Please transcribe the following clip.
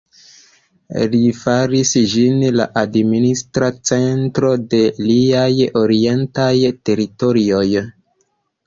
Li faris ĝin la administra centro de liaj orientaj teritorioj.